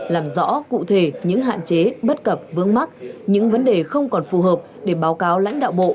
làm rõ cụ thể những hạn chế bất cập vướng mắc những vấn đề không còn phù hợp để báo cáo lãnh đạo bộ